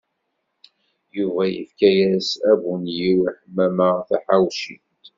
Yuba yefka-as abunyiw i Ḥemmama Taḥawcint.